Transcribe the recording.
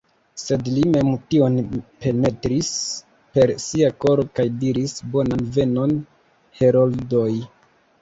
Sed li mem tion penetris per sia koro kaj diris: « Bonan venon, heroldoj!"